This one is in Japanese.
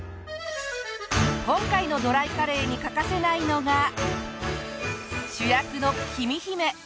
今回のドライカレーに欠かせないのが主役のきみひめ。